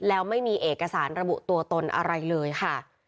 แล้วไม่มีเอกสารระบุตัวตนอะไรเลยค่ะ